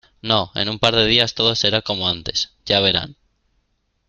No, en un par de días , todo será como antes. Ya verán .